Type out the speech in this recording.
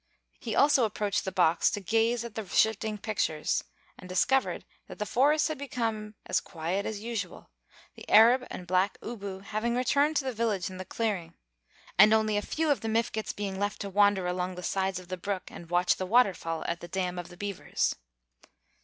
He also approached the box to gaze at the shifting pictures, and discovered that the forest had become as quiet as usual, the Arab and Black Ooboo having returned to the village in the clearing, and only a few of the Mifkets being left to wander along the sides of the brook and watch the waterfall at the dam of the beavers.